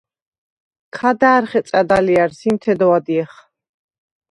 ქა და̄̈რ ხეწა̈დ ალჲა̈რს, იმთე დო ადჲეხ.